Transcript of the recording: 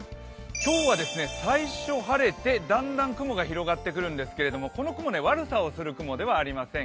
今日は最初晴れて、だんだん雲が広がってくるんですけどこの雲、悪さをする雲ではありません。